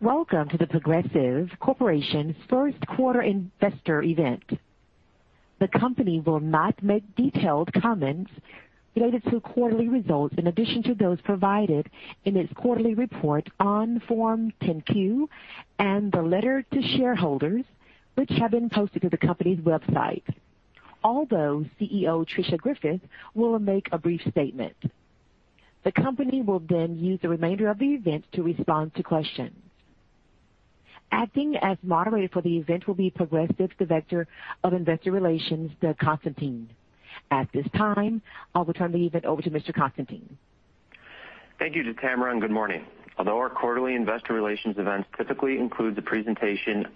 Welcome to The Progressive Corporation's first quarter investor event. The company will not make detailed comments related to quarterly results in addition to those provided in its quarterly report on Form 10-Q and the letter to shareholders, which have been posted to the company's website. CEO Tricia Griffith will make a brief statement. The company will then use the remainder of the event to respond to questions. Acting as moderator for the event will be Progressive's Director of Investor Relations, Doug Constantine. At this time, I'll return the event over to Mr. Constantine. Thank you to Tamara, and good morning. Although our quarterly investor relations events typically include the presentation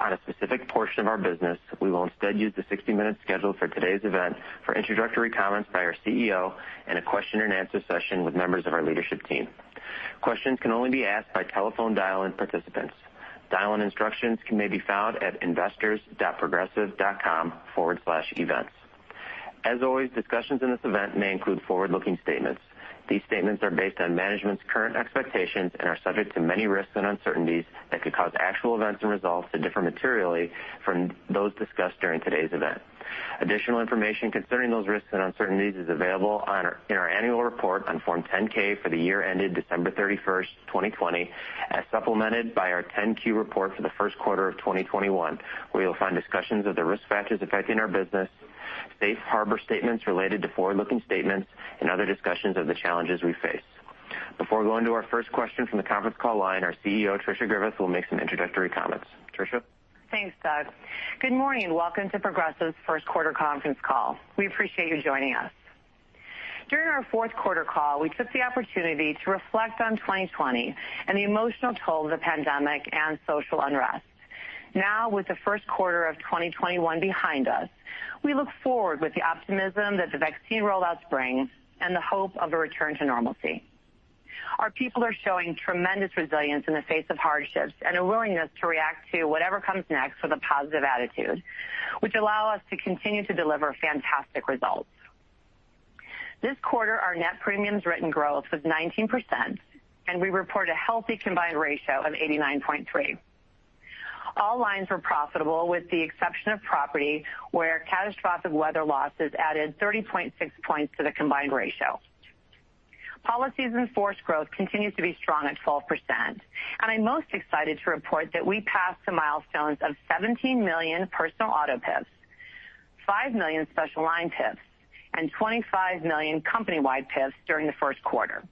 on a specific portion of our business, we will instead use the 60-minute schedule for today's event for introductory comments by our CEO and a question and answer session with members of our leadership team. Questions can only be asked by telephone dial-in participants. Dial-in instructions may be found at investors.progressive.com/events. As always, discussions in this event may include forward-looking statements. These statements are based on management's current expectations and are subject to many risks and uncertainties that could cause actual events and results to differ materially from those discussed during today's event. Additional information concerning those risks and uncertainties is available in our annual report on Form 10-K for the year ended December 31st, 2020, as supplemented by our 10-Q report for the first quarter of 2021, where you'll find discussions of the risk factors affecting our business, safe harbor statements related to forward-looking statements, and other discussions of the challenges we face. Before going to our first question from the conference call line, our CEO, Tricia Griffith, will make some introductory comments. Tricia? Thanks, Doug. Good morning. Welcome to Progressive's first quarter conference call. We appreciate you joining us. During our fourth quarter call, we took the opportunity to reflect on 2020 and the emotional toll of the pandemic and social unrest. Now, with the first quarter of 2021 behind us, we look forward with the optimism that the vaccine rollout brings and the hope of a return to normalcy. Our people are showing tremendous resilience in the face of hardships and a willingness to react to whatever comes next with a positive attitude, which allow us to continue to deliver fantastic results. This quarter, our net premiums written growth was 19%, and we report a healthy combined ratio of 89.3. All lines were profitable with the exception of property, where catastrophic weather losses added 30.6 points to the combined ratio. Policies in force growth continues to be strong at 12%, and I'm most excited to report that we passed the milestones of 17 million personal auto PIFs, five million special line PIFs, and 25 million company-wide PIFs during the first quarter.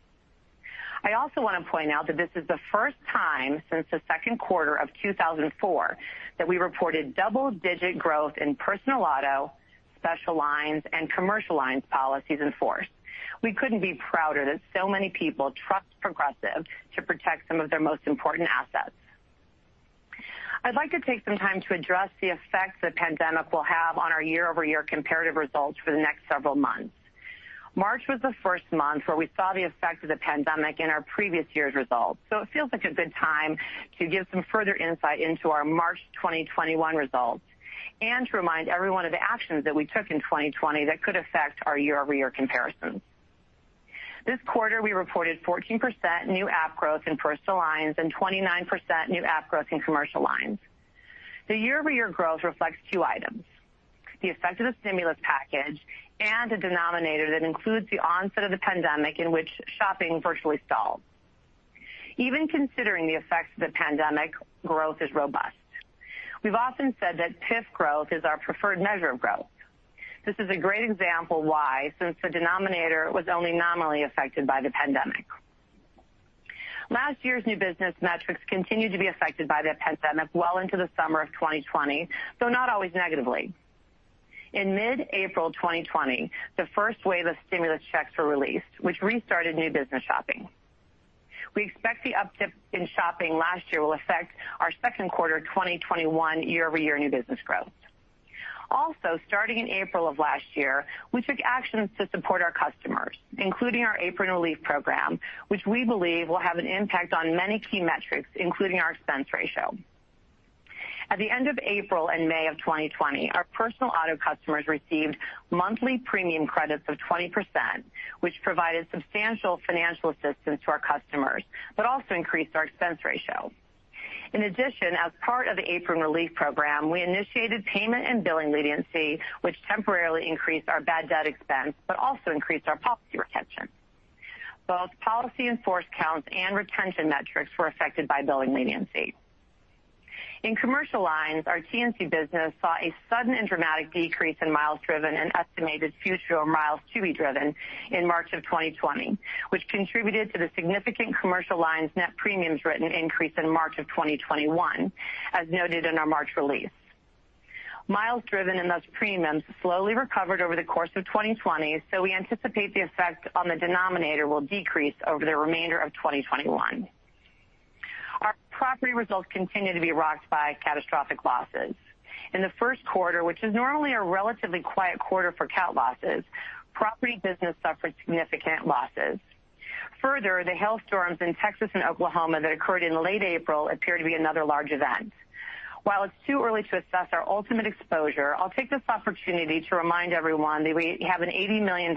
I also want to point out that this is the first time since the second quarter of 2004 that we reported double-digit growth in personal auto, special lines, and commercial lines policies in force. We couldn't be prouder that so many people trust Progressive to protect some of their most important assets. I'd like to take some time to address the effects the pandemic will have on our year-over-year comparative results for the next several months. March was the first month where we saw the effects of the pandemic in our previous year's results, so it feels like a good time to give some further insight into our March 2021 results and to remind everyone of the actions that we took in 2020 that could affect our year-over-year comparison. This quarter, we reported 14% new app growth in personal lines and 29% new app growth in commercial lines. The year-over-year growth reflects two items, the effect of the stimulus package, and a denominator that includes the onset of the pandemic in which shopping virtually stalled. Even considering the effects of the pandemic, growth is robust. We've often said that PIF growth is our preferred measure of growth. This is a great example why, since the denominator was only nominally affected by the pandemic. Last year's new business metrics continued to be affected by the pandemic well into the summer of 2020, though not always negatively. In mid-April 2020, the first wave of stimulus checks were released, which restarted new business shopping. We expect the uptick in shopping last year will affect our second quarter 2021 year-over-year new business growth. Starting in April of last year, we took actions to support our customers, including our Apron Relief Program, which we believe will have an impact on many key metrics, including our expense ratio. At the end of April and May of 2020, our personal auto customers received monthly premium credits of 20%, which provided substantial financial assistance to our customers, but also increased our expense ratio. In addition, as part of the Apron Relief program, we initiated payment and billing leniency, which temporarily increased our bad debt expense, but also increased our policy retention. Both policy in force counts and retention metrics were affected by billing leniency. In commercial lines, our TNC business saw a sudden and dramatic decrease in miles driven and estimated future miles to be driven in March of 2020, which contributed to the significant commercial lines net premiums written increase in March of 2021, as noted in our March release. Miles driven and thus premiums slowly recovered over the course of 2020, so we anticipate the effect on the denominator will decrease over the remainder of 2021. Our property results continue to be rocked by catastrophic losses. In the first quarter, which is normally a relatively quiet quarter for cat losses, property business suffered significant losses. The hail storms in Texas and Oklahoma that occurred in late April appear to be another large event. While it's too early to assess our ultimate exposure, I'll take this opportunity to remind everyone that we have an $80 million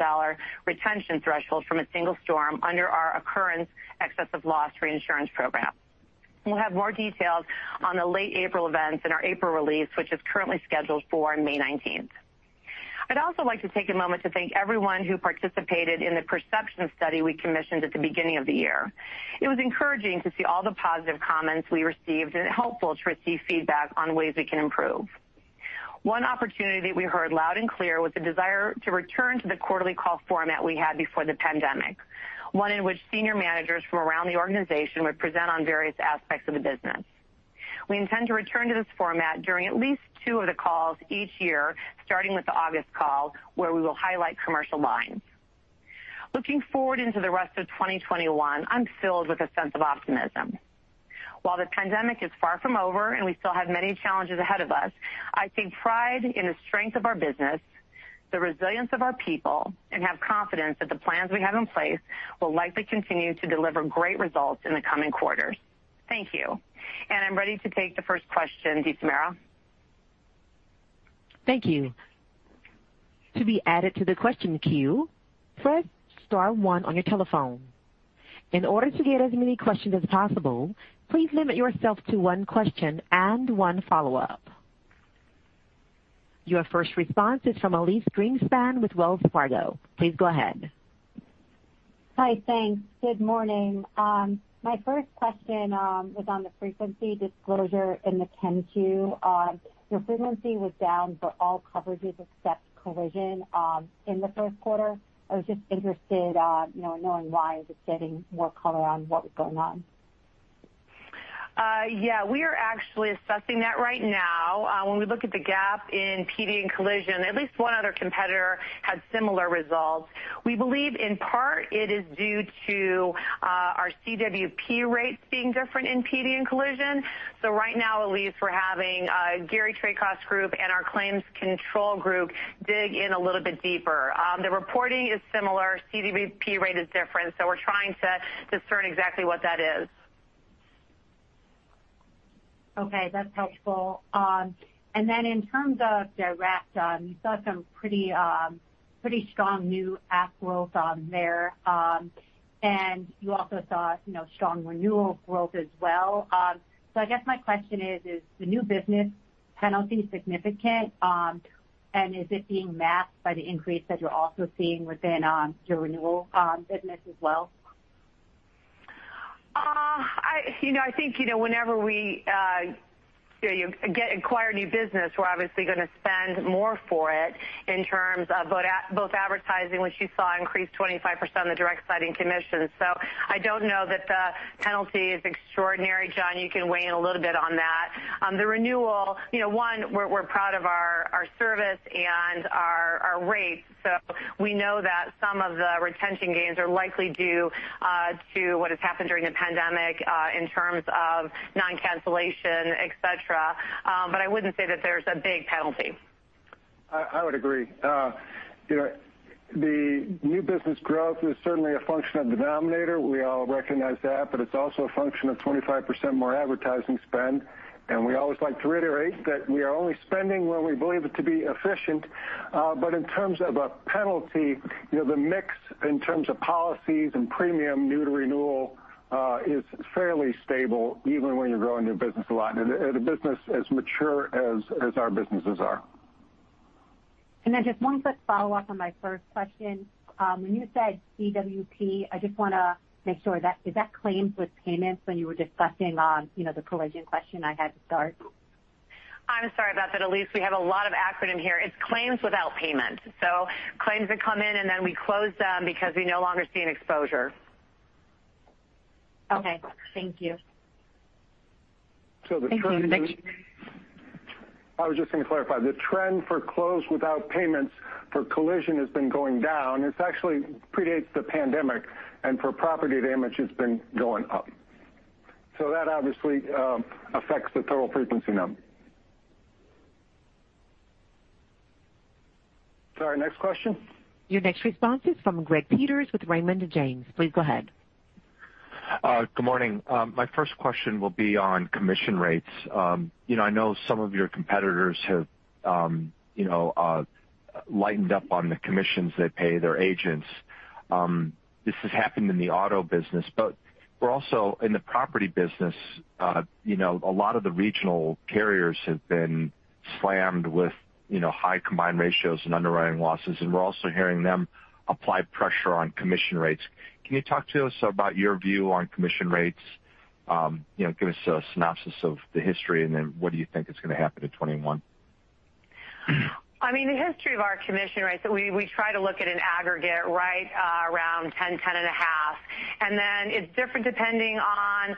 retention threshold from a single storm under our occurrence excess of loss reinsurance program. We'll have more details on the late April events in our April release, which is currently scheduled for May 19th. I'd also like to take a moment to thank everyone who participated in the perception study we commissioned at the beginning of the year. It was encouraging to see all the positive comments we received, and helpful to receive feedback on ways we can improve. One opportunity we heard loud and clear was the desire to return to the quarterly call format we had before the pandemic, one in which senior managers from around the organization would present on various aspects of the business. We intend to return to this format during at least two of the calls each year, starting with the August call, where we will highlight commercial lines. Looking forward into the rest of 2021, I'm filled with a sense of optimism. While the pandemic is far from over and we still have many challenges ahead of us, I take pride in the strength of our business, the resilience of our people, and have confidence that the plans we have in place will likely continue to deliver great results in the coming quarters. Thank you. I'm ready to take the first question. Tamara? Thank you. To be added to the question queue, press star one on your telephone. In order to get as many questions as possible, please limit yourself to one question and one follow-up. Your first response is from Elyse Greenspan with Wells Fargo. Please go ahead. Hi, thanks. Good morning. My first question was on the frequency disclosure in the 10-Q. Your frequency was down for all coverages except collision in the first quarter. I was just interested knowing why. Just getting more color on what was going on. Yeah, we are actually assessing that right now. When we look at the gap in PD and collision, at least one other competitor had similar results. We believe, in part, it is due to our CWP rates being different in PD and collision. Right now, Elyse, we're having Gary Traicoff's group and our claims control group dig in a little bit deeper. The reporting is similar. CWP rate is different, so we're trying to discern exactly what that is. Okay, that's helpful. In terms of direct, you saw some pretty strong new apps on there. You also saw strong renewal growth as well. I guess my question is the new business penalty significant? Is it being masked by the increase that you're also seeing within your renewal business as well? I think, whenever we acquire new business, we're obviously going to spend more for it in terms of both advertising, which you saw increased 25% of the direct side and commissions. I don't know that the penalty is extraordinary. John, you can weigh in a little bit on that. The renewal, one, we're proud of our service and our rates. We know that some of the retention gains are likely due to what has happened during the pandemic in terms of non-cancellation, et cetera. I wouldn't say that there's a big penalty. I would agree. The new business growth is certainly a function of denominator. We all recognize that. It's also a function of 25% more advertising spend. We always like to reiterate that we are only spending where we believe it to be efficient. In terms of a penalty, the mix in terms of policies and premium new to renewal is fairly stable, even when you're growing your business a lot and the business as mature as our businesses are. just one quick follow-up on my first question. When you said CWP, I just want to make sure, is that claims with payments when you were discussing the collision question I had at start? I'm sorry about that, Elyse. We have a lot of acronym here. It's claims without payment, so claims that come in, and then we close them because we no longer see an exposure. Okay, thank you. Thank you. I was just going to clarify. The trend for close without payments for collision has been going down. This actually predates the pandemic. For property damage, it's been going up. That obviously affects the total frequency number. Sorry, next question. Your next response is from Greg Peters with Raymond James. Please go ahead. Good morning. My first question will be on commission rates. I know some of your competitors have lightened up on the commissions they pay their agents. This has happened in the auto business, but we're also in the property business. A lot of the regional carriers have been slammed with high combined ratios and underwriting losses, and we're also hearing them apply pressure on commission rates. Can you talk to us about your view on commission rates? Give us a synopsis of the history, and then what do you think is going to happen in 2021? The history of our commission rates, we try to look at an aggregate right around 10.5. it's different depending on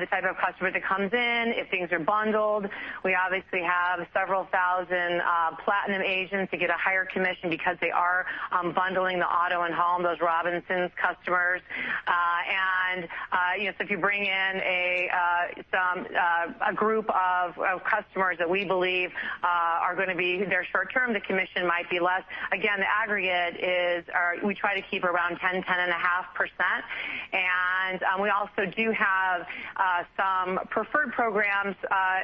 the type of customer that comes in, if things are bundled. We obviously have several thousand platinum agents that get a higher commission because they are bundling the auto and home, those Robinsons customers. If you bring in a group of customers that we believe are going to be very short-term, the commission might be less. Again, the aggregate is, we try to keep around 10.5%. We also do have some preferred programs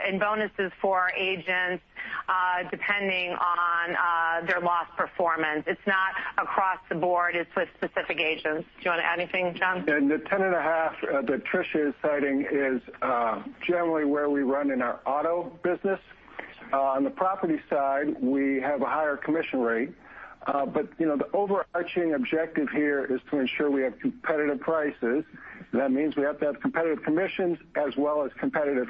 and bonuses for our agents, depending on their loss performance. It's not across the board, it's with specific agents. Do you want to add anything, John? The 10.5 that Tricia is citing is generally where we run in our auto business. On the property side, we have a higher commission rate. The overarching objective here is to ensure we have competitive prices. That means we have to have competitive commissions as well as competitive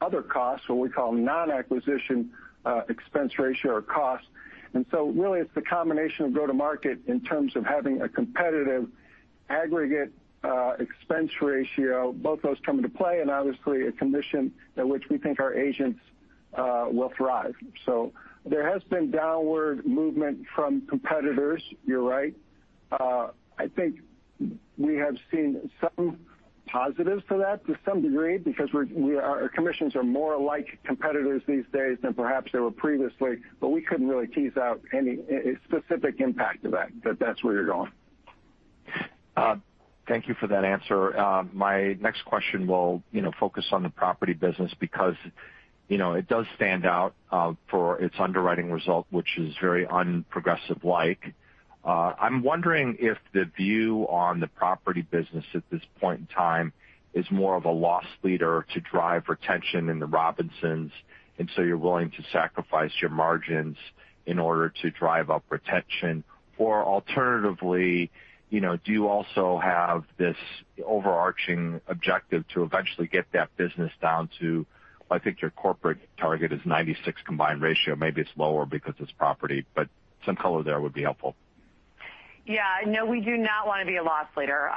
other costs, what we call non-acquisition expense ratio or cost. Really, it's the combination of go-to-market in terms of having a competitive aggregate expense ratio, both those come into play, and obviously a commission at which we think our agents will thrive. There has been downward movement from competitors, you're right. I think we have seen some positives to that to some degree, because our commissions are more like competitors these days than perhaps they were previously, but we couldn't really tease out any specific impact of that. That's where you're going. Thank you for that answer. My next question will focus on the property business because it does stand out for its underwriting result, which is very un-Progressive-like. I'm wondering if the view on the property business at this point in time is more of a loss leader to drive retention in the Robinsons, and so you're willing to sacrifice your margins in order to drive up retention. alternatively, do you also have this overarching objective to eventually get that business down to, I think your corporate target is 96 combined ratio, maybe it's lower because it's property, but some color there would be helpful. Yeah. No, we do not want to be a loss leader.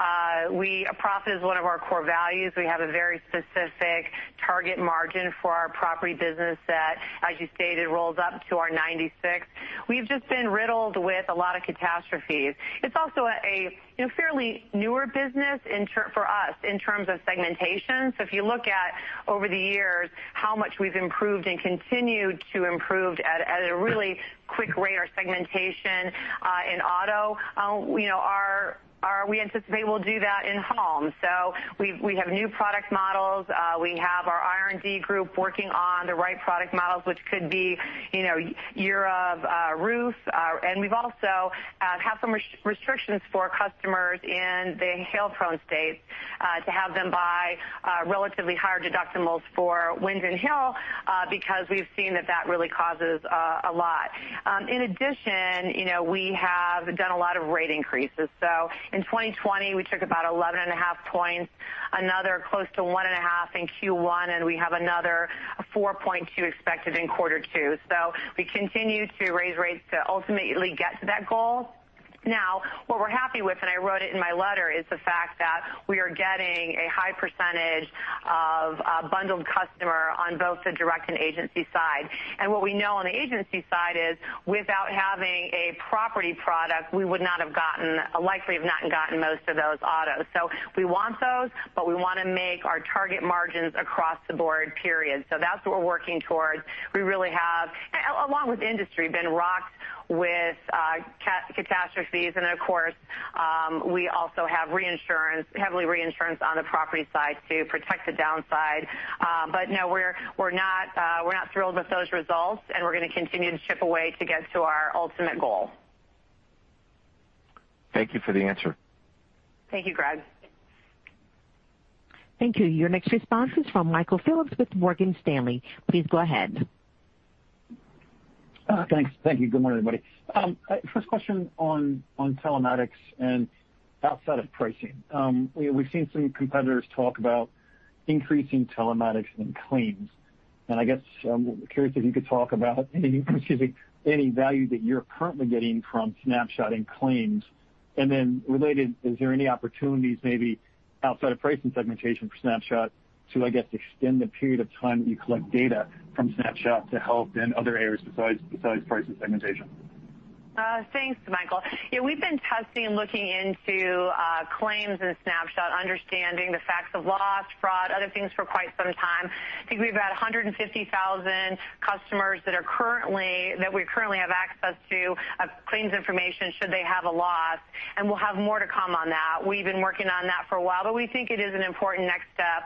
Profit is one of our core values. We have a very specific target margin for our property business that, as you stated, rolls up to our 96. We've just been riddled with a lot of catastrophes. It's also a fairly newer business for us in terms of segmentation. If you look at over the years how much we've improved and continued to improve at a really quick rate, our segmentation in auto, we anticipate we'll do that in home. We have new product models. We have our R&D group working on the right product models, which could be year of roof. We've also had some restrictions for customers in the hail-prone states to have them buy relatively higher deductibles for wind and hail because we've seen that that really causes a lot. In addition, we have done a lot of rate increases. In 2020, we took about 11.5 points, another close to 1.5 in Q1, and we have another 4.2 expected in quarter two. We continue to raise rates to ultimately get to that goal. Now, what we're happy with, and I wrote it in my letter, is the fact that we are getting a high percentage of bundled customer on both the direct and agency side. What we know on the agency side is without having a property product, we would likely have not gotten most of those autos. We want those, but we want to make our target margins across the board, period. That's what we're working towards. We really have, along with industry, been rocked with catastrophes. Of course, we also have heavy reinsurance on the property side to protect the downside. No, we're not thrilled with those results, and we're going to continue to chip away to get to our ultimate goal. Thank you for the answer. Thank you, Greg. Thank you. Your next response is from Michael Phillips with Morgan Stanley. Please go ahead. Thanks. Thank you. Good morning, everybody. First question on telematics and outside of pricing. We've seen some competitors talk about increasing telematics and claims, and I guess I'm curious if you could talk about any value that you're currently getting from Snapshot in claims. Related, is there any opportunities maybe outside of pricing segmentation for Snapshot to, I guess, extend the period of time that you collect data from Snapshot to help in other areas besides pricing segmentation? Thanks, Michael. Yeah, we've been testing and looking into claims and Snapshot, understanding the facts of loss, fraud, other things for quite some time. I think we've had 150,000 customers that we currently have access to claims information should they have a loss, and we'll have more to come on that. We've been working on that for a while, but we think it is an important next step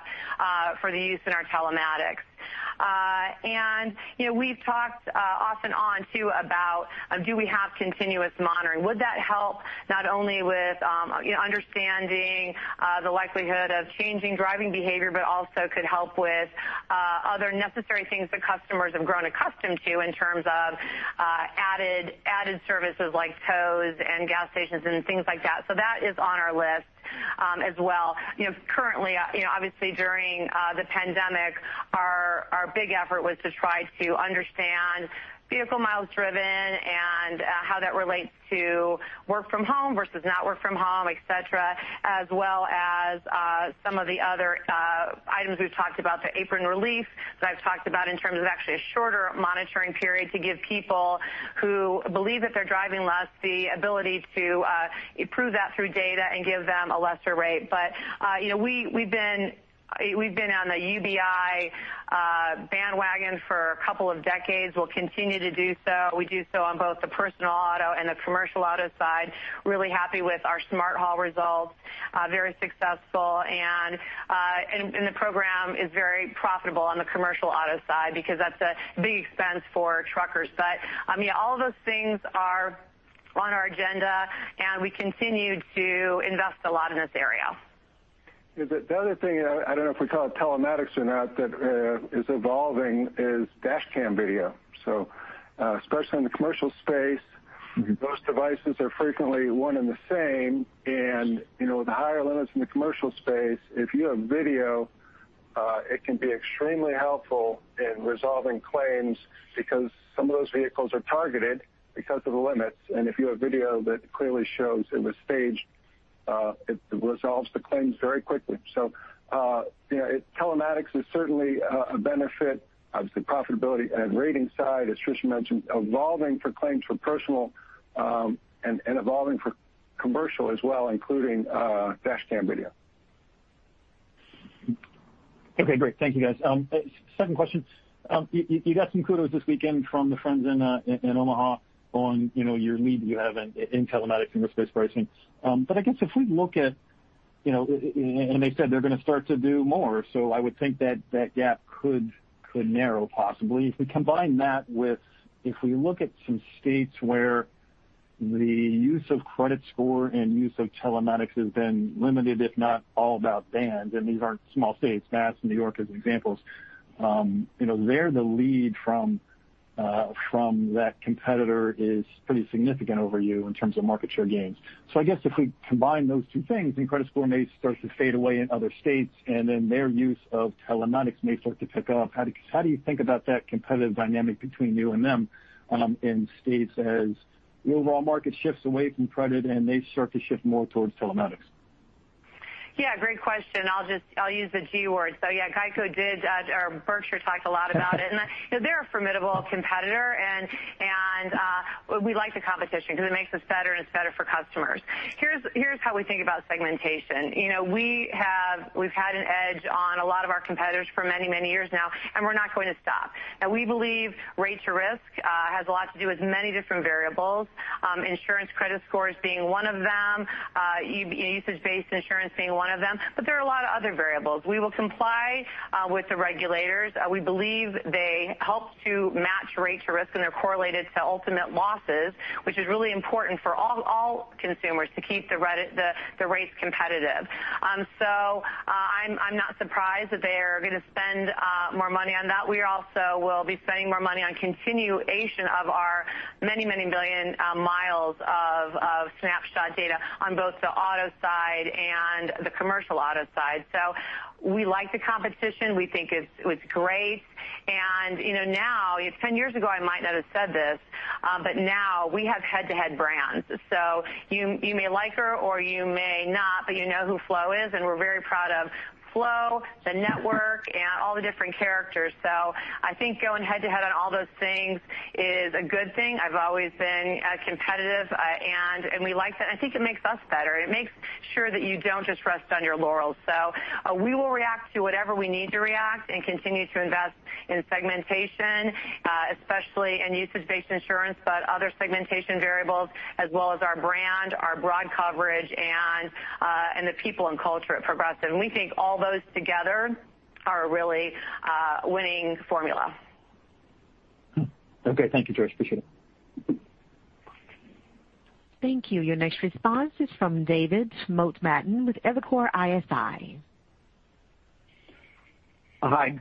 for the use in our telematics. We've talked off and on, too, about do we have continuous monitoring? Would that help not only with understanding the likelihood of changing driving behavior, but also could help with other necessary things that customers have grown accustomed to in terms of added services like tows and gas stations and things like that. That is on our list as well. Currently, obviously during the pandemic, our big effort was to try to understand vehicle miles driven and how that relates to work from home versus not work from home, et cetera, as well as some of the other items we've talked about, the Apron Relief that I've talked about in terms of actually a shorter monitoring period to give people who believe that they're driving less the ability to prove that through data and give them a lesser rate. We've been on the UBI bandwagon for a couple of decades. We'll continue to do so. We do so on both the personal auto and the commercial auto side. Really happy with our Smart Haul results. Very successful, and the program is very profitable on the commercial auto side because that's a big expense for truckers. all of those things are on our agenda, and we continue to invest a lot in this area. The other thing, I don't know if we call it telematics or not, that is evolving is dashcam video. Especially in the commercial space, those devices are frequently one and the same, and the higher limits in the commercial space, if you have video, it can be extremely helpful in resolving claims because some of those vehicles are targeted because of the limits. If you have video that clearly shows it was staged, it resolves the claims very quickly. Telematics is certainly a benefit. Obviously, profitability and rating side, as Tricia mentioned, evolving for claims for personal, and evolving for commercial as well, including dashcam video. Okay, great. Thank you guys. Second question. You got some kudos this weekend from the friends in Omaha on your lead you have in telematics and risk-based pricing. I guess if we look at, and they said they're going to start to do more, so I would think that that gap could narrow possibly. If we combine that with if we look at some states where the use of credit score and use of telematics has been limited, if not all but banned, and these aren't small states, Mass. and N.Y. as examples. There, the lead from that competitor is pretty significant over you in terms of market share gains. I guess if we combine those two things, then credit score may start to fade away in other states, and then their use of telematics may start to pick up. How do you think about that competitive dynamic between you and them in states as overall market shifts away from credit and they start to shift more towards telematics? Yeah, great question. I'll use the G word. Yeah, GEICO did, or Berkshire talked a lot about it, and they're a formidable competitor, and we like the competition because it makes us better and it's better for customers. Here's how we think about segmentation. We've had an edge on a lot of our competitors for many, many years now, and we're not going to stop. We believe rate to risk has a lot to do with many different variables. Insurance credit scores being one of them usage-based insurance being one of them, but there are a lot of other variables. We will comply with the regulators. We believe they help to match rate to risk, and they're correlated to ultimate losses, which is really important for all consumers to keep the rates competitive. I'm not surprised that they're going to spend more money on that. We also will be spending more money on continuation of our many, many million miles of Snapshot data on both the auto side and the commercial auto side. We like the competition. We think it's great. Now, 10 years ago, I might not have said this, but now we have head-to-head brands. You may like her or you may not, but you know who Flo is, and we're very proud of Flo, the network, and all the different characters. I think going head-to-head on all those things is a good thing. I've always been competitive, and we like that. I think it makes us better. It makes sure that you don't just rest on your laurels. We will react to whatever we need to react and continue to invest in segmentation, especially in usage-based insurance, but other segmentation variables as well as our brand, our broad coverage, and the people and culture at Progressive. We think all those together are a really winning formula. Okay. Thank you, Tricia. Appreciate it. Thank you. Your next response is from David Motemaden with Evercore ISI. Hi.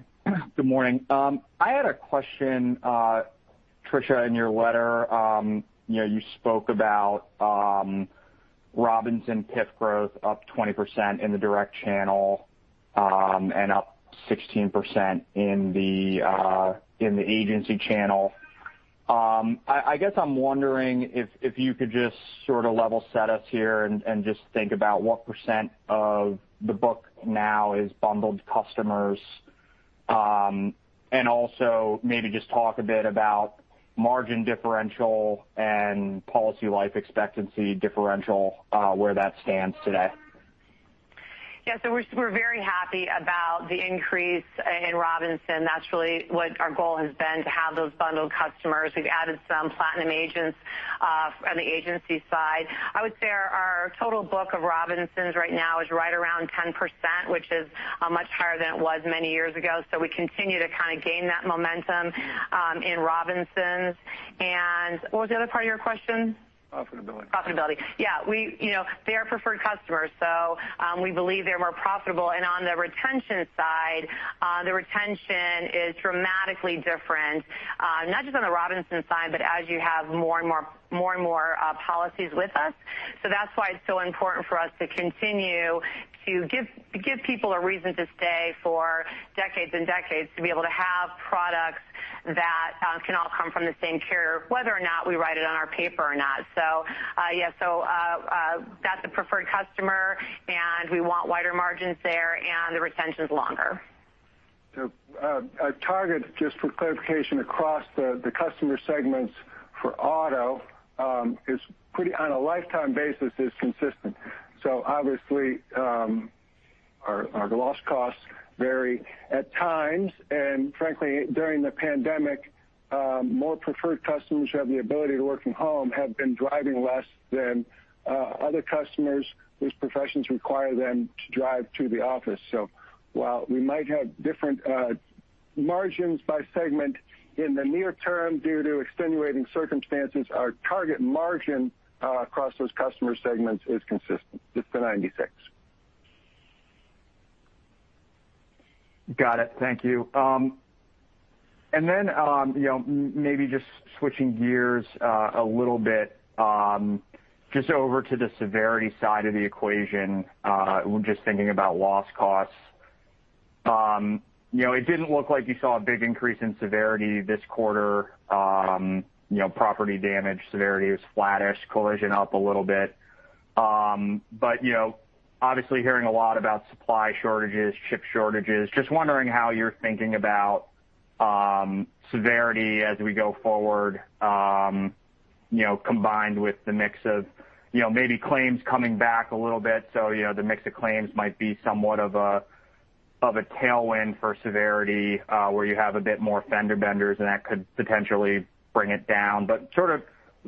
Good morning. I had a question, Tricia, in your letter you spoke about Robinsons PIF growth up 20% in the direct channel, and up 16% in the agency channel. I guess I'm wondering if you could just sort of level set us here and just think about what percent of the book now is bundled customers, and also maybe just talk a bit about margin differential and policy life expectancy differential, where that stands today. Yeah. We're very happy about the increase in Robinsons. That's really what our goal has been to have those bundled customers. We've added some platinum agents on the agency side. I would say our total book of Robinsons right now is right around 10%, which is much higher than it was many years ago. We continue to kind of gain that momentum in Robinsons. What was the other part of your question? Profitability. Profitability. Yeah. They are preferred customers, so we believe they're more profitable. On the retention side, the retention is dramatically different, not just on the Robinsons side, but as you have more and more policies with us. That's why it's so important for us to continue to give people a reason to stay for decades and decades, to be able to have products that can all come from the same carrier, whether or not we write it on our paper or not. That's a preferred customer, and we want wider margins there, and the retention's longer. Our target, just for clarification across the customer segments for auto, on a lifetime basis is consistent. Obviously, our loss costs vary at times, and frankly, during the pandemic, more preferred customers who have the ability to work from home have been driving less than other customers whose professions require them to drive to the office. While we might have different margins by segment in the near term due to extenuating circumstances, our target margin across those customer segments is consistent. It's the 96. Got it. Thank you. maybe just switching gears a little bit just over to the severity side of the equation, just thinking about loss costs. It didn't look like you saw a big increase in severity this quarter. Property damage severity was flattish, collision up a little bit. obviously hearing a lot about supply shortages, chip shortages, just wondering how you're thinking about severity as we go forward, combined with the mix of maybe claims coming back a little bit. the mix of claims might be somewhat of a tailwind for severity, where you have a bit more fender benders, and that could potentially bring it down.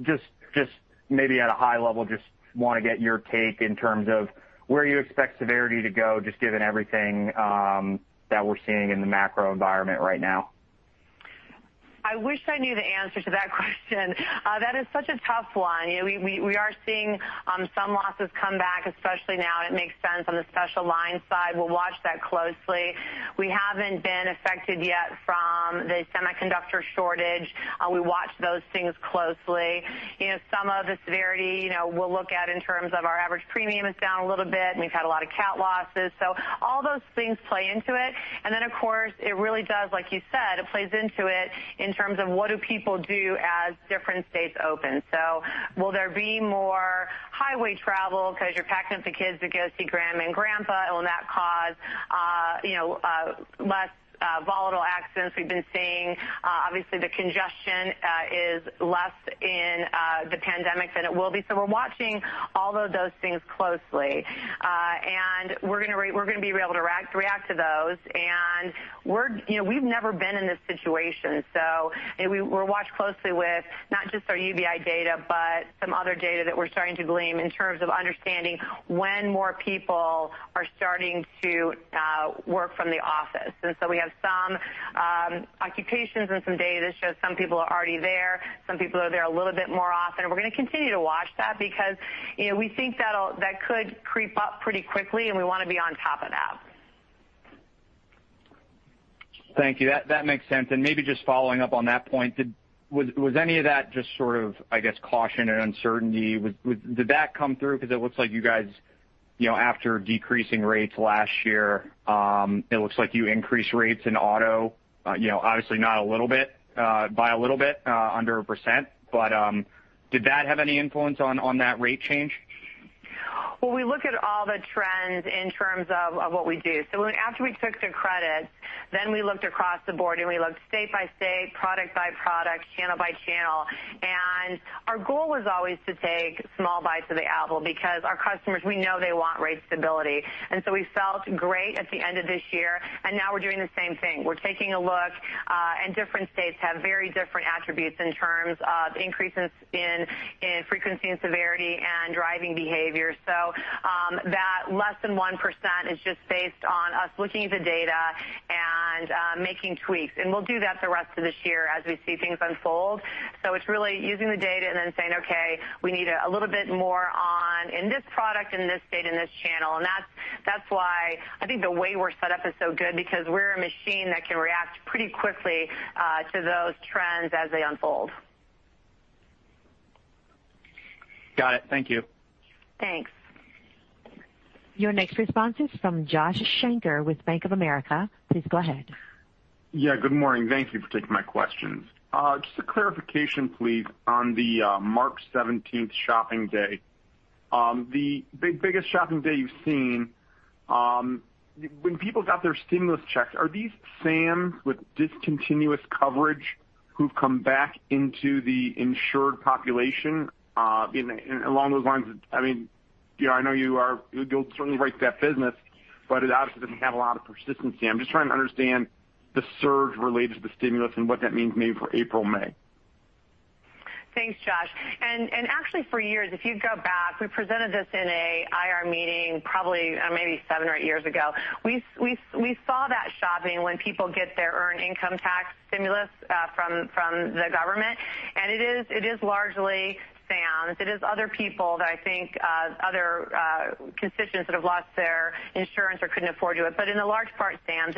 just maybe at a high level, just want to get your take in terms of where you expect severity to go, just given everything that we're seeing in the macro environment right now. I wish I knew the answer to that question. That is such a tough one. We are seeing some losses come back, especially now, and it makes sense on the special line side. We'll watch that closely. We haven't been affected yet from the semiconductor shortage. We watch those things closely. Some of the severity we'll look at in terms of our average premium is down a little bit, and we've had a lot of cat losses. All those things play into it. Of course, it really does, like you said, it plays into it in terms of what do people do as different states open. Will there be more highway travel because you're packing up the kids to go see grandma and grandpa? Will that cause less volatile accidents? We've been seeing, obviously, the congestion is less in the pandemic than it will be. We're watching all of those things closely. We're going to be able to react to those. We've never been in this situation, so we'll watch closely with not just our UBI data, but some other data that we're starting to glean in terms of understanding when more people are starting to work from the office. We have some occupations and some data that shows some people are already there, some people are there a little bit more often. We're going to continue to watch that because we think that could creep up pretty quickly, and we want to be on top of that. Thank you. That makes sense. Maybe just following up on that point, was any of that just sort of, I guess, caution and uncertainty? Did that come through? Because it looks like you guys, after decreasing rates last year, it looks like you increased rates in auto. Obviously not by a little bit, under a percent, but did that have any influence on that rate change? Well, we look at all the trends in terms of what we do. After we took the credit, then we looked across the board, and we looked state by state, product by product, channel by channel. Our goal was always to take small bites of the apple because our customers, we know they want rate stability. We felt great at the end of this year, and now we're doing the same thing. We're taking a look, and different states have very different attributes in terms of increases in frequency and severity and driving behavior. That less than 1% is just based on us looking at the data and making tweaks. We'll do that the rest of this year as we see things unfold. It's really using the data and then saying, okay, we need a little bit more in this product, in this state, in this channel. That's why I think the way we're set up is so good because we're a machine that can react pretty quickly to those trends as they unfold. Got it. Thank you. Thanks. Your next response is from Josh Shanker with Bank of America. Please go ahead. Yeah, good morning. Thank you for taking my questions. Just a clarification, please, on the March 17th shopping day, the biggest shopping day you've seen. When people got their stimulus checks, are these SAMs with discontinuous coverage who've come back into the insured population? Along those lines, I know you'll certainly write that business, but it obviously doesn't have a lot of persistency. I'm just trying to understand the surge related to the stimulus and what that means maybe for April, May. Thanks, Josh. actually, for years, if you go back, we presented this in an IR meeting probably maybe seven or eight years ago. We saw that shopping when people get their earned income tax credit from the government, and it is largely Sams. It is other people that I think, other constituents that have lost their insurance or couldn't afford to it. in a large part, Sams.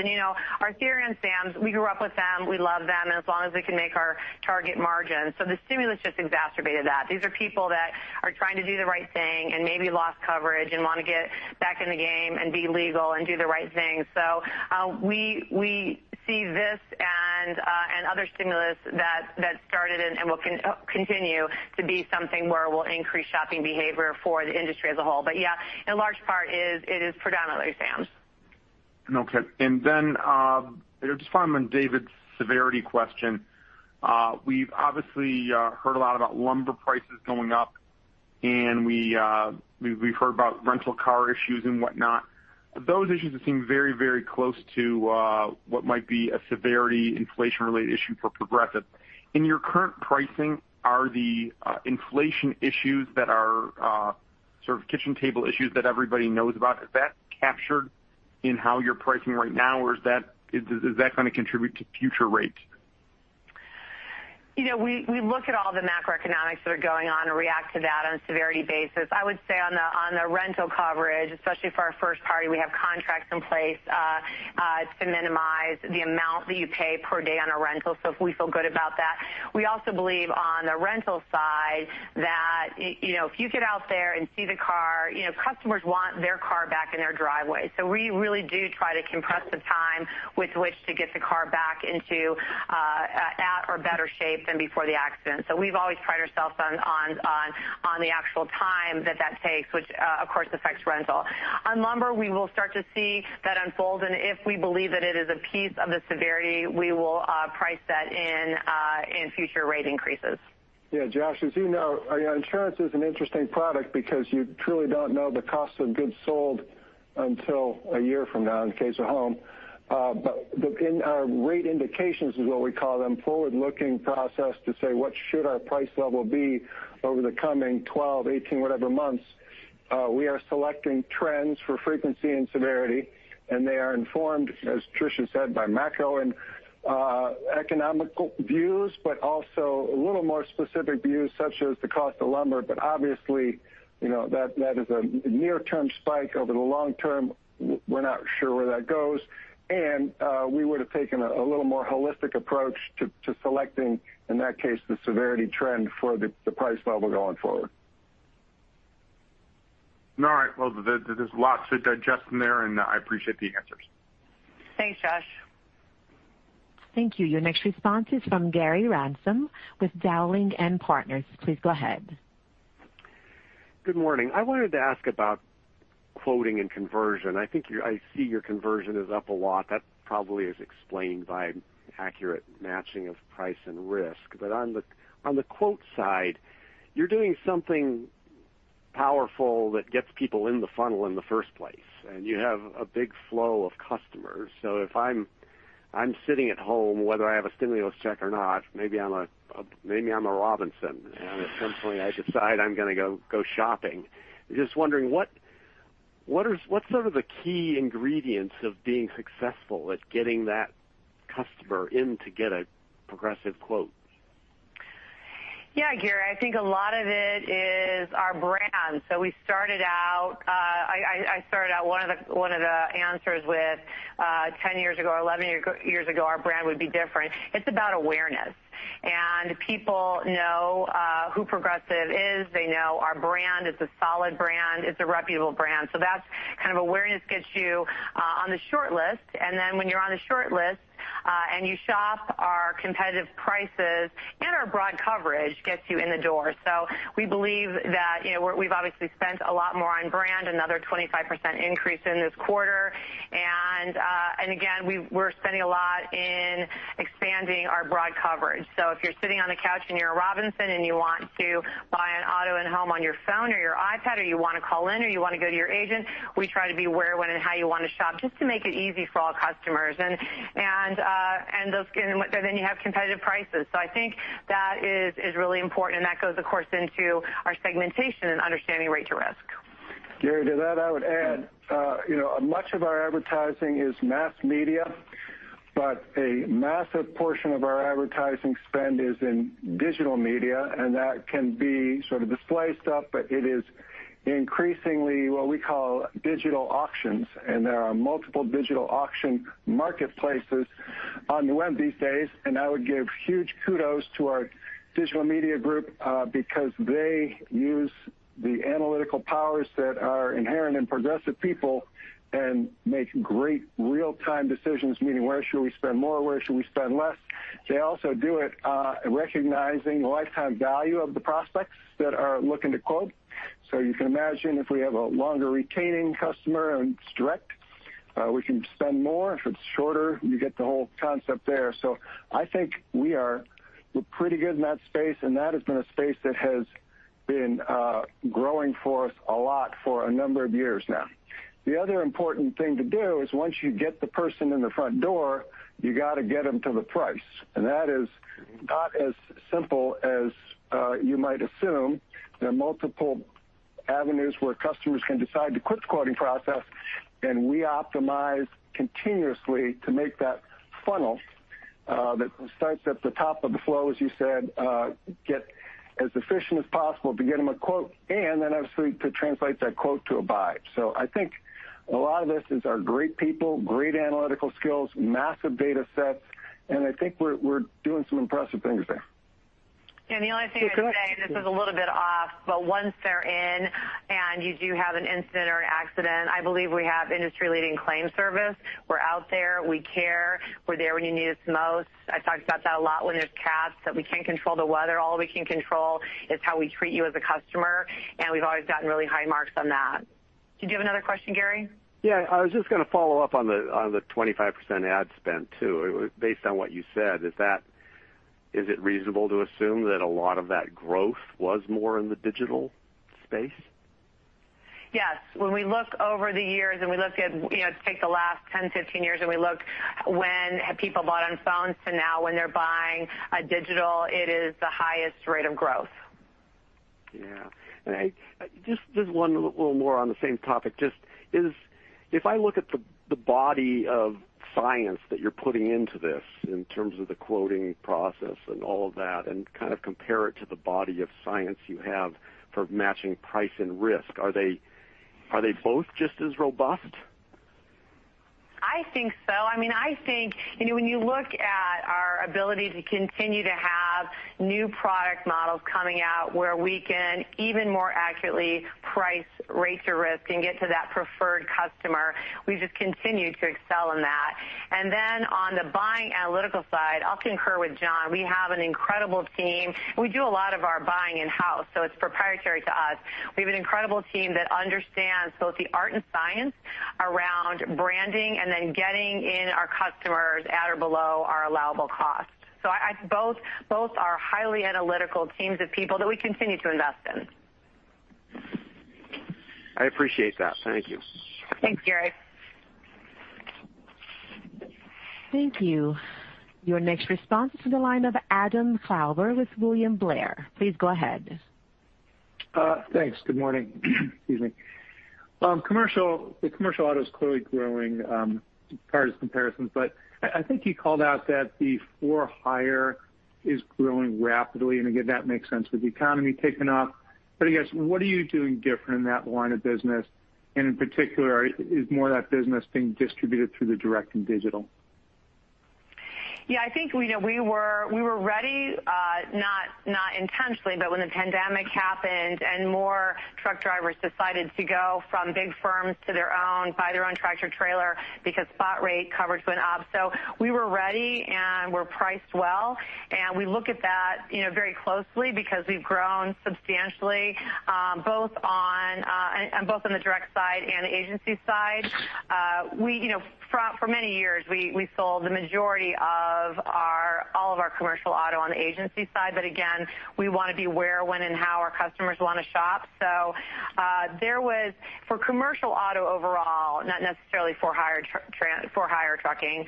our theory on Sams, we grew up with them, we love them as long as they can make our target margin. the stimulus just exacerbated that. These are people that are trying to do the right thing and maybe lost coverage and want to get back in the game and be legal and do the right thing. we see this and other stimulus that started and will continue to be something where we'll increase shopping behavior for the industry as a whole. yeah, in large part it is predominantly SAMs. Okay. just following on David's severity question. We've obviously heard a lot about lumber prices going up, and we've heard about rental car issues and whatnot. Those issues seem very close to what might be a severity inflation-related issue for Progressive. In your current pricing, are the inflation issues that are sort of kitchen table issues that everybody knows about, is that captured in how you're pricing right now, or is that going to contribute to future rates? We look at all the macroeconomics that are going on and react to that on a severity basis. I would say on the rental coverage, especially for our first party, we have contracts in place to minimize the amount that you pay per day on a rental. We feel good about that. We also believe on the rental side that if you get out there and see the car, customers want their car back in their driveway. We really do try to compress the time with which to get the car back into at or better shape than before the accident. We've always prided ourselves on the actual time that takes, which of course, affects rental. On lumber, we will start to see that unfold, and if we believe that it is a piece of the severity, we will price that in future rate increases. Yeah. Josh, as you know, insurance is an interesting product because you truly don't know the cost of goods sold until a year from now in the case of home. In our rate indications is what we call them, forward-looking process to say what should our price level be over the coming 12, 18, whatever months? We are selecting trends for frequency and severity, and they are informed, as Tricia said, by macro and economical views, but also a little more specific views such as the cost of lumber. Obviously, that is a near-term spike. Over the long term, we're not sure where that goes, and we would have taken a little more holistic approach to selecting, in that case, the severity trend for the price level going forward. All right. Well, there's lots to digest in there, and I appreciate the answers. Thanks, Josh. Thank you. Your next response is from Gary Ransom with Dowling & Partners. Please go ahead. Good morning. I wanted to ask about quoting and conversion. I see your conversion is up a lot. That probably is explained by accurate matching of price and risk. On the quote side, you're doing something powerful that gets people in the funnel in the first place, and you have a big flow of customers. If I'm sitting at home, whether I have a stimulus check or not, maybe I'm a Robinson, and at some point I decide I'm going to go shopping. Just wondering what are the key ingredients of being successful at getting that customer in to get a Progressive quote? Yeah, Gary, I think a lot of it is our brand. I started out one of the answers with 10 years ago, 11 years ago, our brand would be different. It's about awareness. People know who Progressive is. They know our brand. It's a solid brand. It's a reputable brand. That kind of awareness gets you on the short list, and then when you're on the short list, and you shop our competitive prices and our broad coverage gets you in the door. We believe that we've obviously spent a lot more on brand, another 25% increase in this quarter. Again, we're spending a lot in expanding our broad coverage. If you're sitting on the couch and you're a Robinson and you want to buy an auto and home on your phone or your iPad, or you want to call in, or you want to go to your agent, we try to be where, when, and how you want to shop just to make it easy for all customers. Then you have competitive prices. I think that is really important, and that goes, of course, into our segmentation and understanding rate to risk. Gary, to that, I would add much of our advertising is mass media, but a massive portion of our advertising spend is in digital media, and that can be sort of display stuff, but it is increasingly what we call digital auctions, and there are multiple digital auction marketplaces on the web these days. I would give huge kudos to our digital media group because they use the analytical powers that are inherent in Progressive people and make great real-time decisions, meaning where should we spend more? Where should we spend less? They also do it recognizing lifetime value of the prospects that are looking to quote. You can imagine if we have a longer retaining customer and it's direct, we can spend more. If it's shorter, you get the whole concept there. I think we are pretty good in that space, and that has been a space that has been growing for us a lot for a number of years now. The other important thing to do is once you get the person in the front door, you got to get them to the price, and that is not as simple as you might assume. There are multiple avenues where customers can decide to quit the quoting process, and we optimize continuously to make that funnel that starts at the top of the flow, as you said, get as efficient as possible to get them a quote, and then obviously to translate that quote to a buy. I think a lot of this is our great people, great analytical skills, massive data sets, and I think we're doing some impressive things there. The only thing I'd say, and this is a little bit off, but once they're in and you do have an incident or an accident, I believe we have industry-leading claim service. We're out there. We care. We're there when you need us most. I talked about that a lot when there's CATs, that we can't control the weather. All we can control is how we treat you as a customer, and we've always gotten really high marks on that. Did you have another question, Gary? Yeah. I was just going to follow up on the 25% ad spend, too. Based on what you said, Is it reasonable to assume that a lot of that growth was more in the digital space? Yes. When we look over the years and take the last 10-15 years, and we look when people bought on phones to now when they're buying digital, it is the highest rate of growth. Yeah. Just a little more on the same topic. If I look at the body of science that you're putting into this in terms of the quoting process and all of that, and compare it to the body of science you have for matching price and risk, are they both just as robust? I think so. I think when you look at our ability to continue to have new product models coming out where we can even more accurately price rate the risk and get to that preferred customer, we've just continued to excel in that. On the buying analytical side, I'll concur with John. We have an incredible team. We do a lot of our buying in-house, so it's proprietary to us. We have an incredible team that understands both the art and science around branding and then getting in our customers at or below our allowable costs. Both are highly analytical teams of people that we continue to invest in. I appreciate that. Thank you. Thanks, Gary. Thank you. Your next response is the line of Adam Klauber with William Blair. Please go ahead. Thanks. Good morning. Excuse me. The commercial auto is clearly growing, as far as comparisons, but I think you called out that the for-hire is growing rapidly. Again, that makes sense with the economy taking off. I guess, what are you doing different in that line of business? In particular, is more of that business being distributed through the direct and digital? Yeah, I think we were ready, not intentionally, but when the pandemic happened and more truck drivers decided to go from big firms to their own, buy their own tractor trailer, because spot rate coverage went up. we were ready, and we're priced well, and we look at that very closely because we've grown substantially, both on the direct side and the agency side. For many years, we sold the majority of all of our commercial auto on the agency side. again, we want to be where, when, and how our customers want to shop. for commercial auto overall, not necessarily for-hire trucking,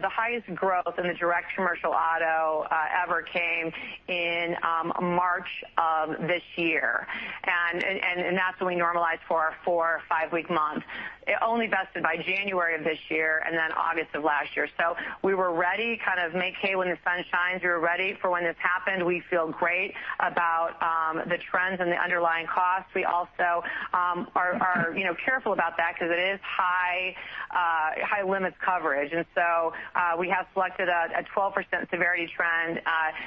the highest growth in the direct commercial auto ever came in March of this year. that's when we normalized for our 4 or 5-week month. It only bested by January of this year and then August of last year. We were ready, kind of make hay when the sun shines. We were ready for when this happened. We feel great about the trends and the underlying costs. We also are careful about that because it is high limits coverage. We have selected a 12% severity trend,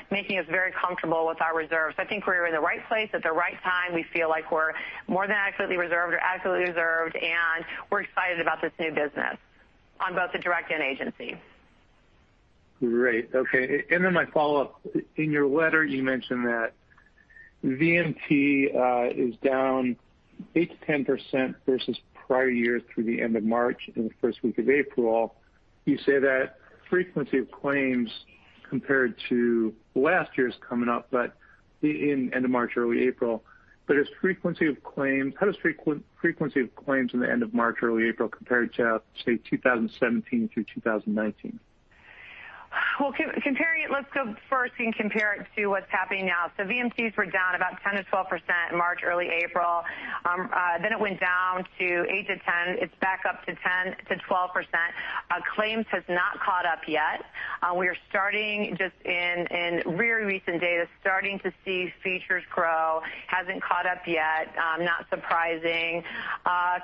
making us very comfortable with our reserves. I think we're in the right place at the right time. We feel like we're more than accurately reserved or accurately reserved, and we're excited about this new business on both the direct and agency. Great. Okay. My follow-up. In your letter, you mentioned that VMT is down 8%-10% versus prior years through the end of March and the first week of April. You say that frequency of claims compared to last year's coming up, but in end of March, early April. How does frequency of claims in the end of March, early April compare to, say, 2017 through 2019? Well, comparing it, let's go first and compare it to what's happening now. VMTs were down about 10%-12% in March, early April. It went down to 8%-10%. It's back up to 10%-12%. Claims has not caught up yet. We are starting just in really recent data, starting to see frequencies grow. Hasn't caught up yet. Not surprising.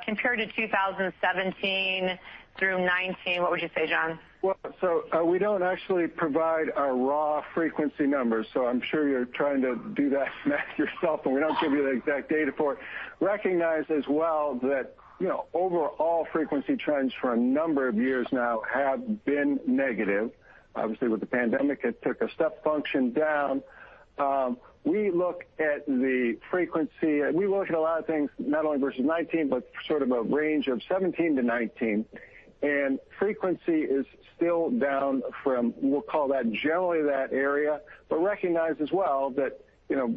Compared to 2017 through 2019, what would you say, John? Well, we don't actually provide our raw frequency numbers. I'm sure you're trying to do that math yourself, and we don't give you the exact data for it. Recognize as well that overall frequency trends for a number of years now have been negative. Obviously, with the pandemic, it took a step function down. We look at the frequency. We look at a lot of things, not only versus 19, but sort of a range of 17-19. Frequency is still down from, we'll call that, generally that area. Recognize as well that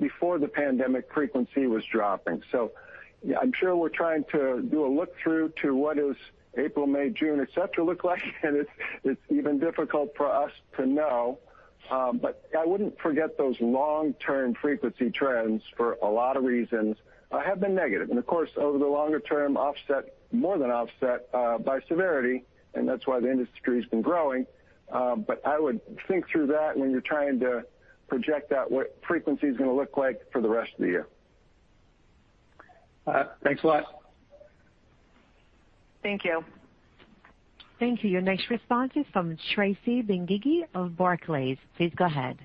before the pandemic, frequency was dropping. I'm sure we're trying to do a look-through to what is April, May, June, et cetera, look like, and it's even difficult for us to know. I wouldn't forget those long-term frequency trends, for a lot of reasons, have been negative. Of course, over the longer term, more than offset by severity, and that's why the industry's been growing. I would think through that when you're trying to project out what frequency is going to look like for the rest of the year. All right. Thanks a lot. Thank you. Thank you. Your next response is from Tracy Benguigui of Barclays. Please go ahead.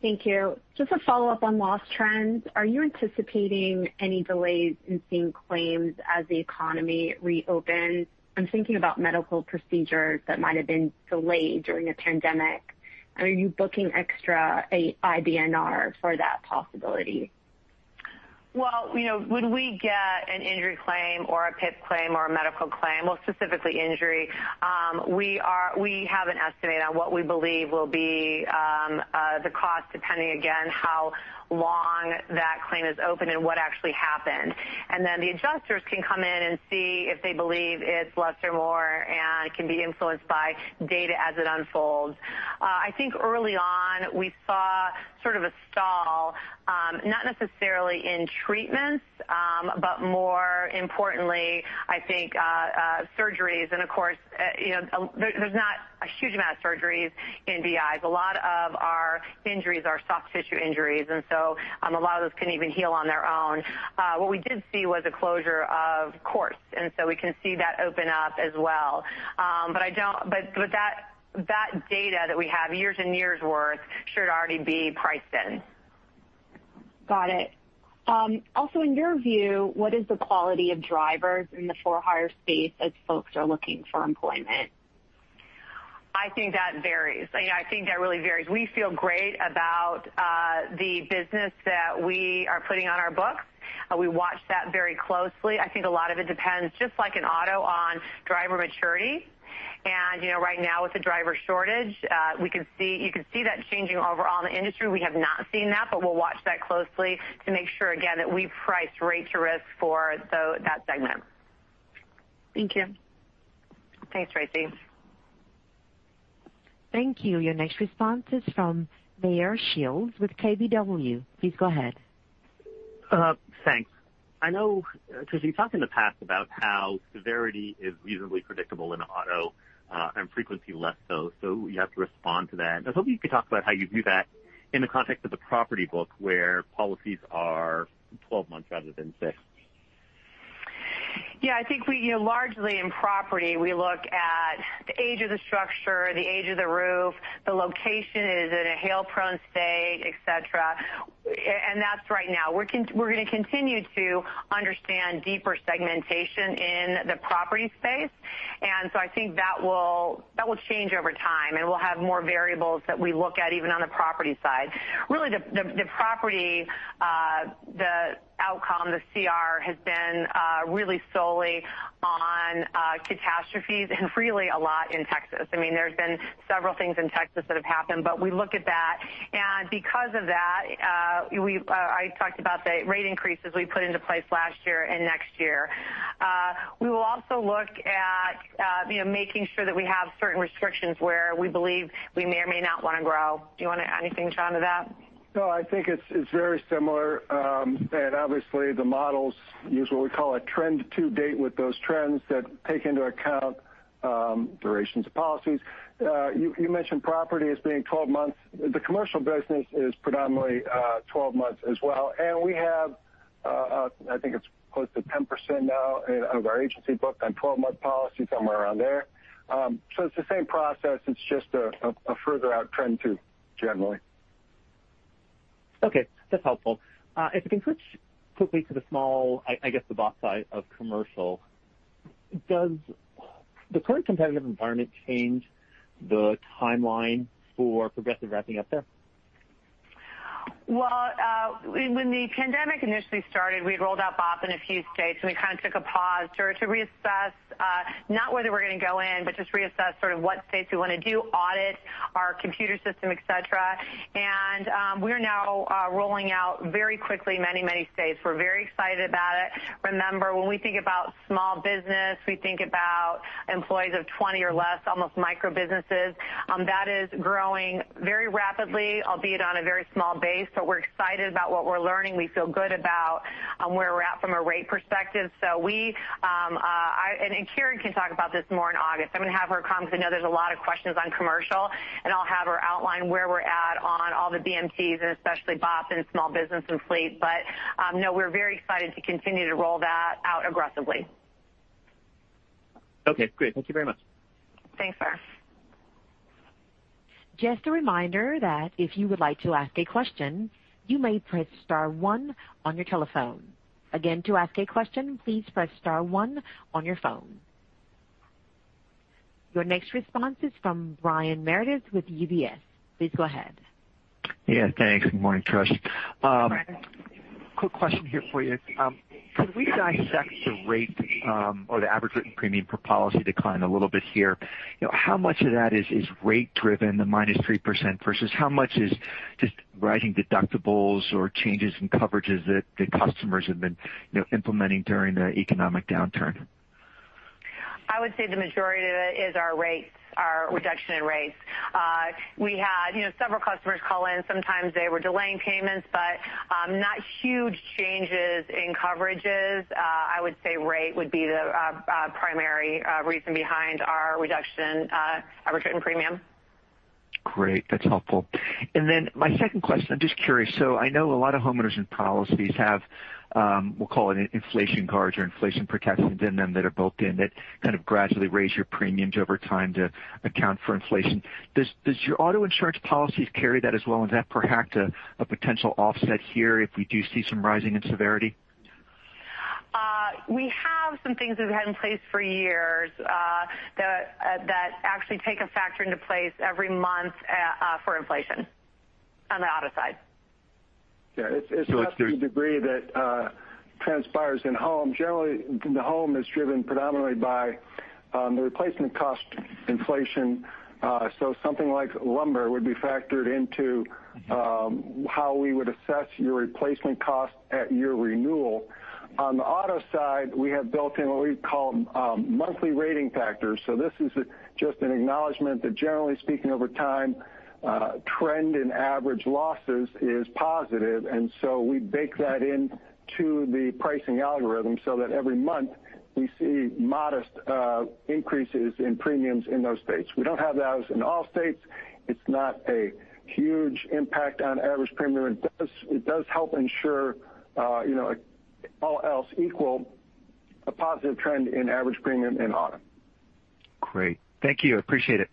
Thank you. Just a follow-up on loss trends. Are you anticipating any delays in seeing claims as the economy reopens? I'm thinking about medical procedures that might have been delayed during the pandemic. Are you booking extra IBNR for that possibility? Well, when we get an injury claim or a PIP claim or a medical claim, well, specifically injury, we have an estimate on what we believe will be the cost, depending, again, how long that claim is open and what actually happened. the adjusters can come in and see if they believe it's less or more, and it can be influenced by data as it unfolds. I think early on, we saw sort of a stall, not necessarily in treatments, but more importantly, I think, surgeries. there's not a huge amount of surgeries in BI. A lot of our injuries are soft tissue injuries, and so a lot of those can even heal on their own. What we did see was a closure of courts, and so we can see that open up as well. That data that we have, years and years' worth, should already be priced in. Got it. Also, in your view, what is the quality of drivers in the for-hire space as folks are looking for employment? I think that varies. I think that really varies. We feel great about the business that we are putting on our books. We watch that very closely. I think a lot of it depends, just like in auto, on driver maturity. Right now with the driver shortage, you can see that changing overall in the industry. We have not seen that, but we'll watch that closely to make sure, again, that we price rate to risk for that segment. Thank you. Thanks, Tracy. Thank you. Your next response is from Meyer Shields with KBW. Please go ahead. Thanks. I know, Tricia, you've talked in the past about how severity is reasonably predictable in auto, and frequency less so. You have to respond to that. I was hoping you could talk about how you do that in the context of the property book, where policies are 12 months rather than six. Yeah. I think largely in property, we look at the age of the structure, the age of the roof, the location, is it a hail-prone state, et cetera. That's right now. We're going to continue to understand deeper segmentation in the property space. I think that will change over time, and we'll have more variables that we look at even on the property side. Really, the property, the outcome, the CR, has been really solely on catastrophes and really a lot in Texas. There's been several things in Texas that have happened, but we look at that. Because of that, I talked about the rate increases we put into place last year and next year. We will also look at making sure that we have certain restrictions where we believe we may or may not want to grow. Do you want to add anything, John, to that? No, I think it's very similar. Obviously, the models use what we call a trend to date with those trends that take into account durations of policies. You mentioned property as being 12 months. The commercial business is predominantly 12 months as well. We have, I think it's close to 10% now of our agency booked on 12-month policy, somewhere around there. It's the same process. It's just a further out trend, too, generally. Okay. That's helpful. If we can switch quickly to the small, I guess, the BOP side of commercial, does the current competitive environment change the timeline for Progressive wrapping up there? When the pandemic initially started, we had rolled out BOP in a few states, and we kind of took a pause to reassess, not whether we're going to go in, but just reassess sort of what states we want to do, audit our computer system, et cetera. We're now rolling out very quickly, many states. We're very excited about it. Remember, when we think about small business, we think about employees of 20 or less, almost micro-businesses. That is growing very rapidly, albeit on a very small base. We're excited about what we're learning. We feel good about where we're at from a rate perspective. Karen can talk about this more in August. I'm going to have her come because I know there's a lot of questions on Commercial, and I'll have her outline where we're at on all the BMTs, and especially BOP and small business and fleet. No, we're very excited to continue to roll that out aggressively. Okay, great. Thank you very much. Thanks, Meyer. Just a reminder that if you would like to ask a question, you may press star one on your telephone. Again, to ask a question, please press star one on your phone. Your next response is from Brian Meredith with UBS. Please go ahead. Yeah, thanks. Good morning, Tricia. Brian. Quick question here for you. Could we dissect the rate or the average written premium per policy decline a little bit here? How much of that is rate driven, the -3%, versus how much is just rising deductibles or changes in coverages that customers have been implementing during the economic downturn? I would say the majority of it is our rates, our reduction in rates. We had several customers call in. Sometimes they were delaying payments, but not huge changes in coverages. I would say rate would be the primary reason behind our reduction average written premium. Great. That's helpful. My second question, I'm just curious. I know a lot of homeowners and policies have, we'll call it inflation guards or inflation protection within them that are built in that kind of gradually raise your premiums over time to account for inflation. Does your auto insurance policies carry that as well? Is that perhaps a potential offset here if we do see some rising in severity? We have some things we've had in place for years that actually take a factor into place every month for inflation on the auto side. Yeah. It's not to the degree that transpires in home. Generally, the home is driven predominantly by the replacement cost inflation. Something like lumber would be factored into how we would assess your replacement cost at your renewal. On the auto side, we have built in what we call monthly rating factors. This is just an acknowledgment that generally speaking, over time, trend in average losses is positive, and so we bake that into the pricing algorithm so that every month we see modest increases in premiums in those states. We don't have those in all states. It's not a huge impact on average premium. It does help ensure, all else equal, a positive trend in average premium in auto. Great. Thank you. Appreciate it.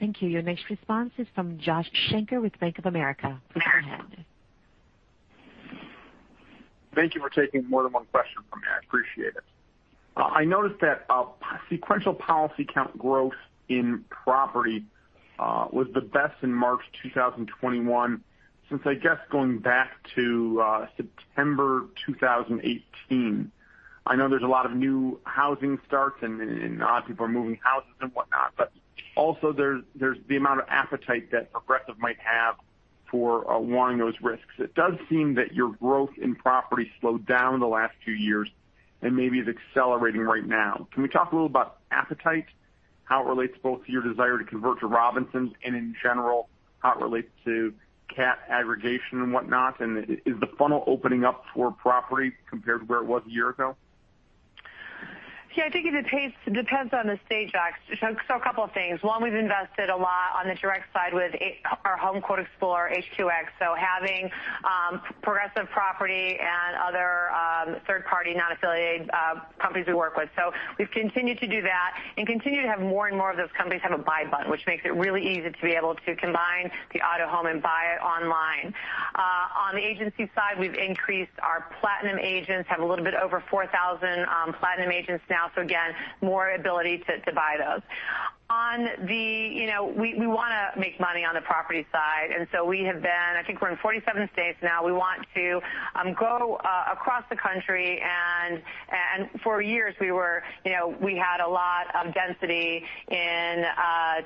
Thank you. Your next response is from Josh Shanker with Bank of America. Please go ahead. Thank you for taking more than one question from me. I appreciate it. I noticed that sequential policy count growth in property was the best in March 2021 since, I guess, going back to September 2018. I know there's a lot of new housing starts and a lot of people are moving houses and whatnot, but also there's the amount of appetite that Progressive might have for one of those risks. It does seem that your growth in property slowed down in the last two years and maybe is accelerating right now. Can we talk a little about appetite, how it relates both to your desire to convert to Robinsons and in general, how it relates to cat aggregation and whatnot? Is the funnel opening up for property compared to where it was a year ago? Yeah, I think it depends on the stage, Josh. A couple of things. One, we've invested a lot on the direct side with our HomeQuote Explorer, HQX, so having Progressive property and other third-party non-affiliated companies we work with. We've continued to do that and continue to have more and more of those companies have a buy button, which makes it really easy to be able to combine the auto, home and buy it online. On the agency side, we've increased our platinum agents, have a little bit over 4,000 platinum agents now. Again, more ability to buy those. We want to make money on the property side, and so we have been, I think we're in 47 states now. We want to grow across the country, and for years we had a lot of density in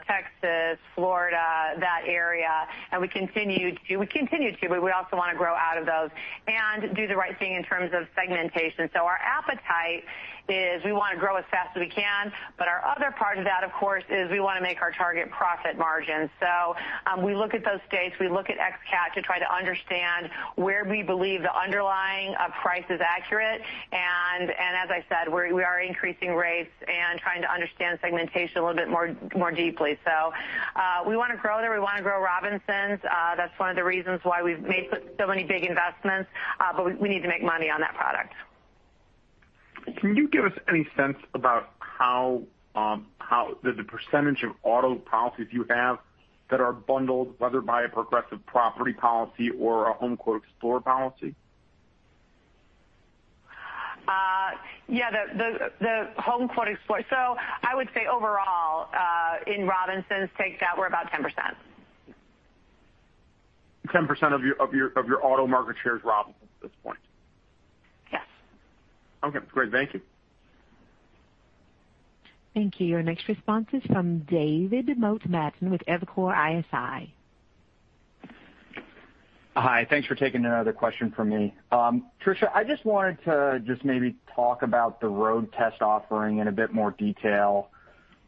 Texas, Florida, that area, and we continue to, but we also want to grow out of those and do the right thing in terms of segmentation. Our appetite is we want to grow as fast as we can, but our other part of that, of course, is we want to make our target profit margin. We look at those states, we look at xCAT to try to understand where we believe the underlying price is accurate. As I said, we are increasing rates and trying to understand segmentation a little bit more deeply. We want to grow there. We want to grow Robinsons. That's one of the reasons why we've made so many big investments. We need to make money on that product. Can you give us any sense about the percentage of auto policies you have that are bundled, whether by a Progressive property policy or a HomeQuote Explorer policy? Yeah. The HomeQuote Explorer. I would say overall, in Robinsons take that we're about 10%. 10% of your auto market share is Robinsons at this point? Yes. Okay, great. Thank you. Thank you. Your next response is from David Motemaden with Evercore ISI. Hi. Thanks for taking another question from me. Tricia, I just wanted to just maybe talk about the road test offering in a bit more detail,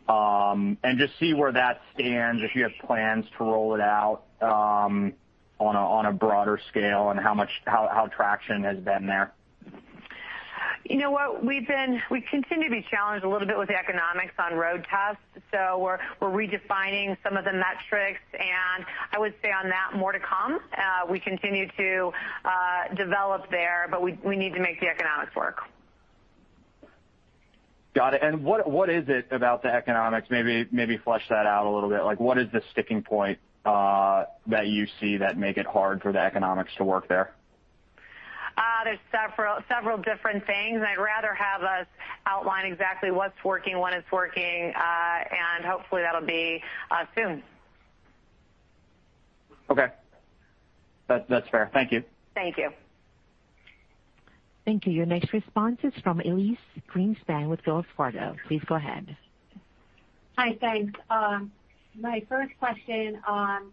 and just see where that stands, if you have plans to roll it out on a broader scale, and how traction has been there. You know what? We continue to be challenged a little bit with the economics on road tests, so we're redefining some of the metrics, and I would say on that, more to come. We continue to develop there, but we need to make the economics work. Got it. What is it about the economics? Maybe flesh that out a little bit. What is the sticking point that you see that make it hard for the economics to work there? There's several different things, and I'd rather have us outline exactly what's working, when it's working, and hopefully that'll be soon. Okay. That's fair. Thank you. Thank you. Thank you. Your next response is from Elyse Greenspan with Wells Fargo. Please go ahead. Hi. Thanks. My first question on,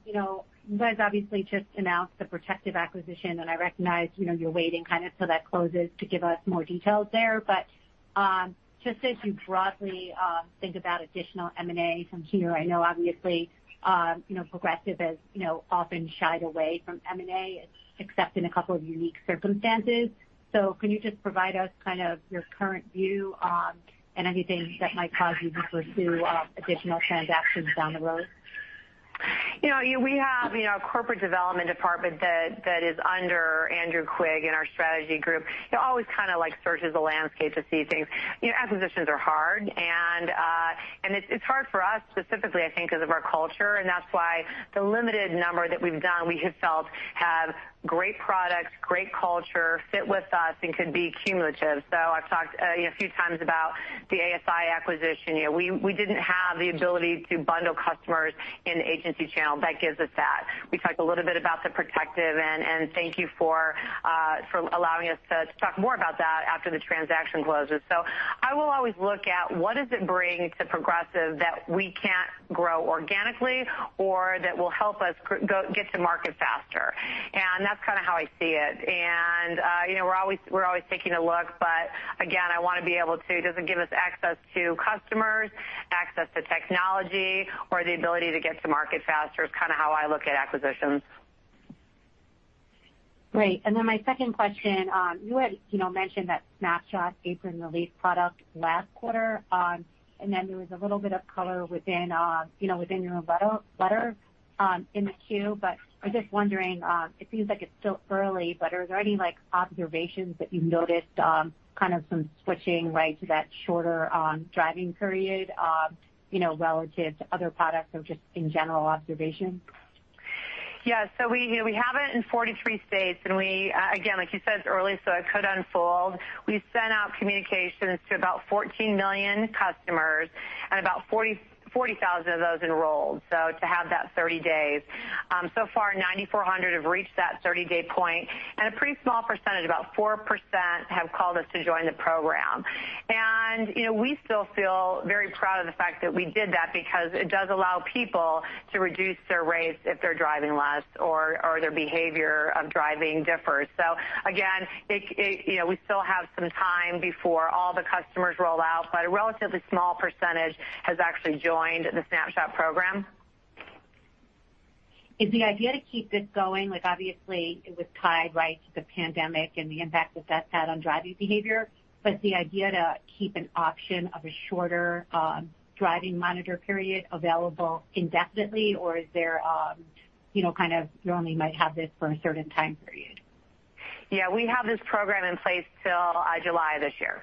you guys obviously just announced the Protective acquisition, and I recognize you're waiting kind of till that closes to give us more details there. Just as you broadly think about additional M&A from here, I know obviously Progressive has often shied away from M&A except in a couple of unique circumstances. Can you just provide us kind of your current view on anything that might cause you to pursue additional transactions down the road? We have a corporate development department that is under Andrew Quigg in our strategy group. He always searches the landscape to see things. Acquisitions are hard, and it's hard for us specifically, I think, because of our culture, and that's why the limited number that we've done, we have felt have great products, great culture, fit with us, and could be accretive. I've talked a few times about the ASI acquisition. We didn't have the ability to bundle customers in the agency channel. That gives us that. We talked a little bit about the Protective, and thank you for allowing us to talk more about that after the transaction closes. I will always look at what does it bring to Progressive that we can't grow organically or that will help us get to market faster. That's kind of how I see it. we're always taking a look, but again, I want to be able to, does it give us access to customers, access to technology, or the ability to get to market faster, is kind of how I look at acquisitions. Great. my second question, you had mentioned that Snapshot Apron Relief product last quarter, and then there was a little bit of color within your letter in the Q. I'm just wondering, it seems like it's still early, but are there any observations that you've noticed some switching to that shorter driving period relative to other products or just in general observation? Yeah. We have it in 43 states, and again, like you said, it's early, so it could unfold. We've sent out communications to about 14 million customers, and about 40,000 of those enrolled. To have that 30 days. So far, 9,400 have reached that 30-day point, and a pretty small percentage, about 4%, have called us to join the program. We still feel very proud of the fact that we did that because it does allow people to reduce their rates if they're driving less or their behavior of driving differs. Again, we still have some time before all the customers roll out, but a relatively small percentage has actually joined the Snapshot program. Is the idea to keep this going? Obviously, it was tied right to the pandemic and the impact that that's had on driving behavior. The idea to keep an option of a shorter driving monitor period available indefinitely, or is there, you only might have this for a certain time period? Yeah, we have this program in place till July this year.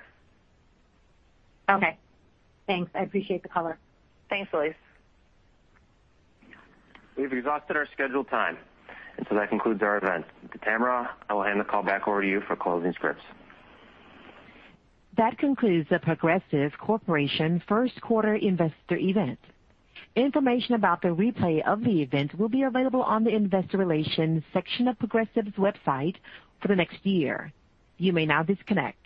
Okay. Thanks. I appreciate the color. Thanks, Louise. We've exhausted our scheduled time, and so that concludes our event. To Tamara, I will hand the call back over to you for closing scripts. That concludes the Progressive Corporation first quarter investor event. Information about the replay of the event will be available on the investor relations section of Progressive's website for the next year. You may now disconnect.